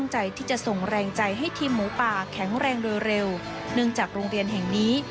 หลังแรงเร็วเนื่องจากโรงเรียนแห่งนี้